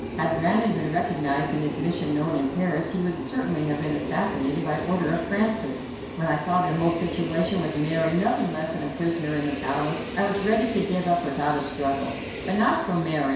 Had Brandon been recognized and his mission known in Paris, he would certainly have been assassinated by order of Francis. When I saw the whole situation, with Mary nothing less than a prisoner in the palace, I was ready to give up without a struggle, but not so Mary.